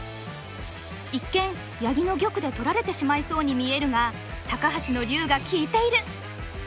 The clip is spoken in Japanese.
一見八木の玉で取られてしまいそうに見えるが高橋の竜が利いている。